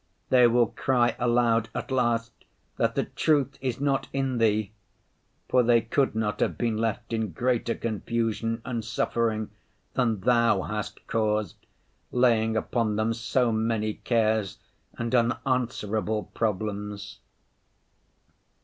They will cry aloud at last that the truth is not in Thee, for they could not have been left in greater confusion and suffering than Thou hast caused, laying upon them so many cares and unanswerable problems.